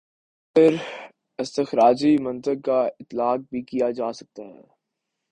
تو پھر استخراجی منطق کا اطلاق بھی کیا جا سکتا ہے۔